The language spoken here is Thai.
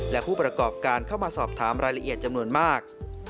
และผู้ประกอบการเข้ามาสอบถามรายละเอียดจำนวนมาก